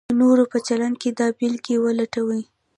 د نورو په چلند کې دا بېلګې ولټوئ: